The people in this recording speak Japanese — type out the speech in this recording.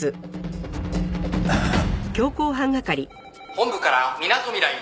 「本部からみなとみらい」